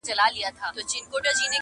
اره اره سي نجارانو ته ځي-